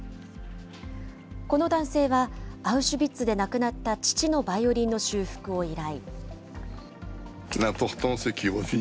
この男性は、アウシュビッツで亡くなった父のバイオリンの修復を依頼。